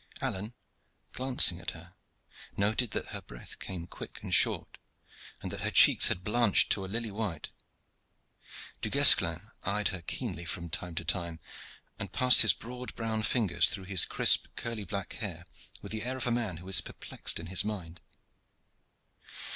Alleyne, glancing at her, noted that her breath came quick and short, and that her cheeks had blanched to a lily white. Du Guesclin eyed her keenly from time to time, and passed his broad brown fingers through his crisp, curly black hair with the air of a man who is perplexed in his mind.